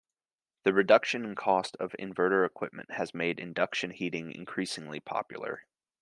The reduction in cost of inverter equipment has made induction heating increasingly popular.